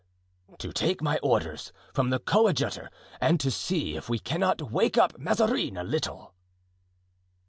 "To take my orders from the coadjutor and to see if we cannot wake up Mazarin a little."